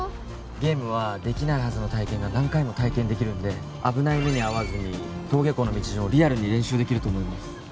ゲームはできないはずの体験が何回も体験できるんで危ない目に遭わずに登下校の道順をリアルに練習できると思います